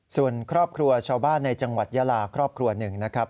ส่วนครอบครัวชาวบ้านในจังหวัดยาลาครอบครัวหนึ่งนะครับ